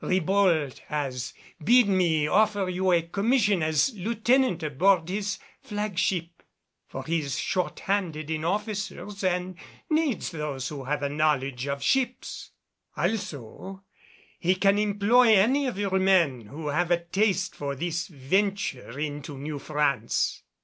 Ribault has bid me offer you a commission as lieutenant aboard his flagship, for he is short handed in officers and needs those who have a knowledge of ships; also he can employ any of your men who have a taste for this venture in New France."